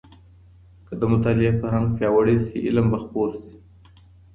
که د مطالعې فرهنګ پياوړی سي علم به خپور سي.